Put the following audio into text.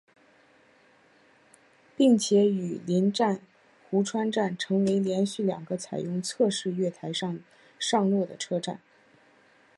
并且与邻站壶川站成为连续两个采用侧式月台上落的车站。